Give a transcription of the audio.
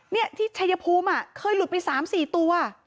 นี่ที่ชัยภูมิเคยหลุดไป๓๔ตัว